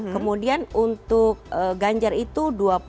kemudian untuk ganjar itu dua puluh tujuh